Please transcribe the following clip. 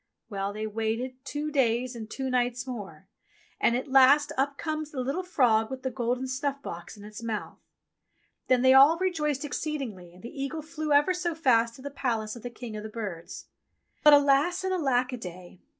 Well, they waited two days and two nights more, and at last up comes the little frog with the golden snuff box in its mouth. Then they all rejoiced exceedingly, and the eagle flew ever so fast to the palace of the King of the Birds. But alas and alack a day